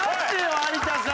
有田さん。